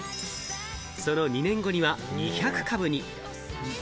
その２年後には２００株に。